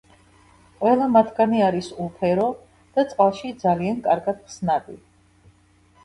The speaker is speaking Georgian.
ყველა მათგანი არის უფერო და წყალში ძალიან კარგად ხსნადი.